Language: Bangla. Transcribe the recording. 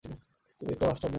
তুমি একটা বাস্টার্ড, ড্যানি।